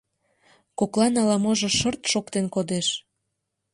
Коклан ала-можо шырт шоктен кодеш.